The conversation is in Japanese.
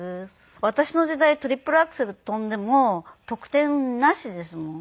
私の時代トリプルアクセル跳んでも得点なしですもん。